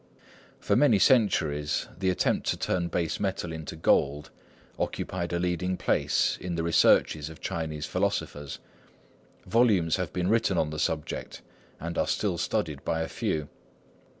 For many centuries the attempt to turn base metal into gold occupied a leading place in the researches of Chinese philosophers. Volumes have been written on the subject, and are still studied by a few.